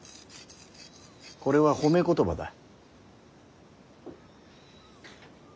これは褒め言葉だ。